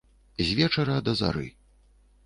З вечара да зары.